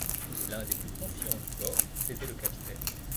L’un des plus confiants du bord, c’était le capitaine.